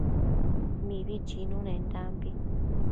Mibi chinunendambi